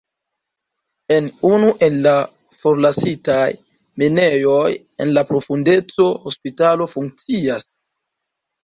En unu el la forlasitaj minejoj en la profundeco hospitalo funkcias.